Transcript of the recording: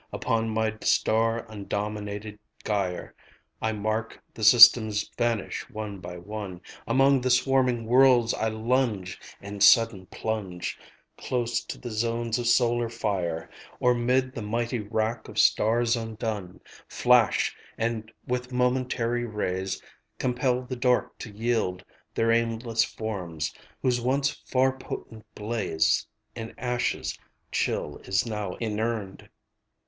Upon my star undominated gyre I mark the systems vanish one by one; Among the swarming worlds I lunge, And sudden plunge Close to the zones of solar fire; Or 'mid the mighty wrack of stars undone, Flash, and with momentary rays Compel the dark to yield Their aimless forms, whose once far potent blaze In ashes chill is now inurned.